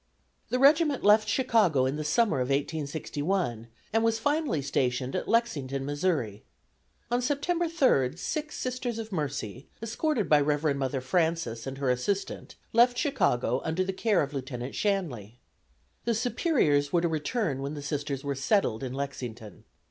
The regiment left Chicago in the summer of 1861, and was finally stationed at Lexington, Missouri. On September 3, six Sisters of Mercy, escorted by Reverend Mother Francis and her assistant, left Chicago under the care of Lieutenant Shanley. The Superiors were to return when the Sisters were settled in Lexington.